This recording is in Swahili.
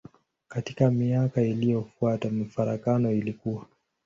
Katika miaka iliyofuata farakano ilikua.